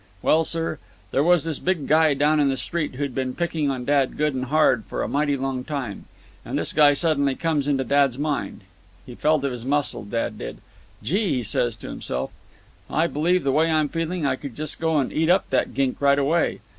"Well, sir, there was a big guy down on that street who'd been picking on dad good and hard for a mighty long while. And this guy suddenly comes into dad's mind. He felt of his muscle, dad did. 'Gee!' he says to himself, 'I believe the way I'm feeling, I could just go and eat up that gink right away.